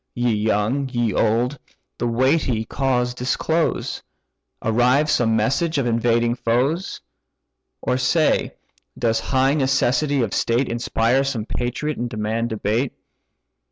Ye young, ye old, the weighty cause disclose: Arrives some message of invading foes? Or say, does high necessity of state Inspire some patriot, and demand debate?